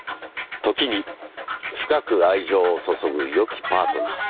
時に深く愛情を注ぐよきパートナー。